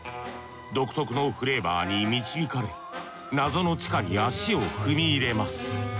独特のフレーバーに導かれ謎の地下に足を踏み入れます。